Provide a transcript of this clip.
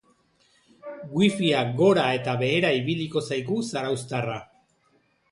Wifia gora eta behera ibiliko zaigu zarauztarra.